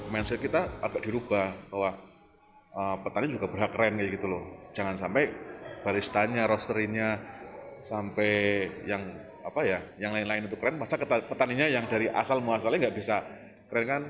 mindset kita agak dirubah bahwa petani juga berhak keren kayak gitu loh jangan sampai baristanya rosterinya sampai yang lain lain itu keren masa petaninya yang dari asal muasalnya nggak bisa keren kan